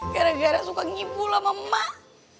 gara gara suka ngipul sama emak